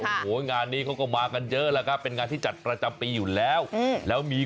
โอ้โหงานนี้คิดมั้ยเยอะใช่